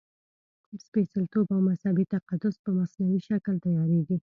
سپېڅلتوب او مذهبي تقدس په مصنوعي شکل تیارېږي.